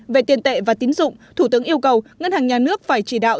về tiền tệ và tín dụng thủ tướng yêu cầu ngân hàng nhà nước phải chỉ đạo